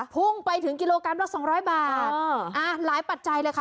พุ่งไปถึงกิโลกรัมละสองร้อยบาทอ่าหลายปัจจัยเลยค่ะ